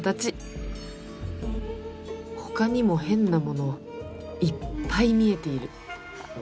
ほかにも変なものいっぱい見えている。